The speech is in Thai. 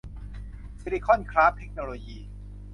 ซิลิคอน คราฟท์ เทคโนโลยี